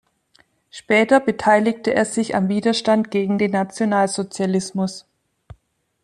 Später beteiligte er sich am Widerstand gegen den Nationalsozialismus.